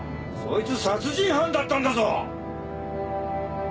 そいつ殺人犯だったんだぞ！